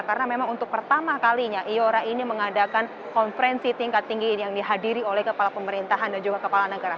karena memang untuk pertama kalinya ayora ini mengadakan konferensi tingkat tinggi yang dihadiri oleh kepala pemerintahan dan juga kepala negara